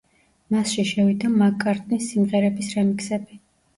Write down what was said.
მასში შევიდა მაკ-კარტნის სიმღერების რემიქსები.